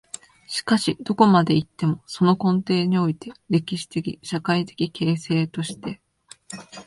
しかしどこまで行っても、その根底において、歴史的・社会的形成として、